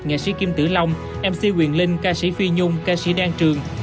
nghệ sĩ kim tử long mc quyền linh ca sĩ phi nhung ca sĩ đan trường